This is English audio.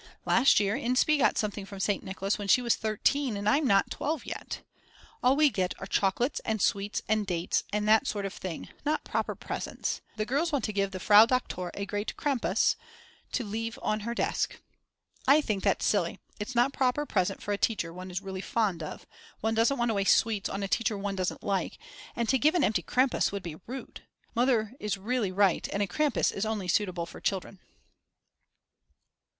Last year Inspee got something from St. Nicholas when she was 13 and I'm not 12 yet. All we get are chocolates and sweets and dates and that sort of thing, not proper presents. The girls want to give the Frau Doktor a great Krampus * to leave it on her desk. I think that's silly. It's not a proper present for a teacher one is really fond of, one doesn't want to waste sweets on a teacher one doesn't like, and to give an empty Krampus would be rude. Mother is really right and a Krampus is only suitable for children.